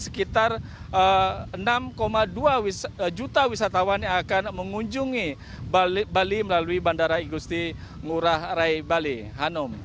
sekitar enam dua juta wisatawan yang akan mengunjungi bali melalui bandara igusti ngurah rai bali hanum